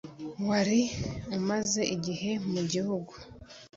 wari umaze igihe mu gihugu